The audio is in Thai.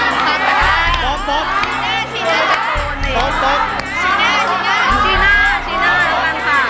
ชีน่าชีน่ากันค่ะ